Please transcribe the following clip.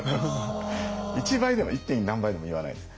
１倍でも１．何倍でも言わないです。